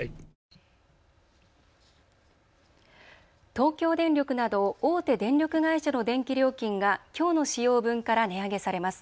東京電力など大手電力会社の電気料金がきょうの使用分から値上げされます。